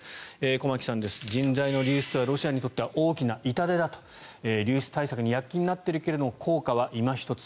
駒木さんです、人材の流出はロシアにとっては大きな痛手だと流出対策に躍起になっているけれども効果はいま一つ。